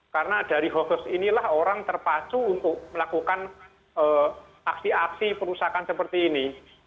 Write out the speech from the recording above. karena dari hoax hoax inilah orang terpacu untuk melakukan aksi aksi perusahaan seperti ini